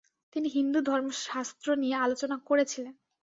তিনি হিন্দু ধর্মশাস্ত্র নিয়ে আলোচনা করেছিলেন।